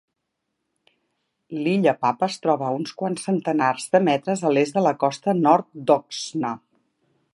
L'illa Papa es troba a uns quants centenars de metres a l'est de la costa nord d'Oxna.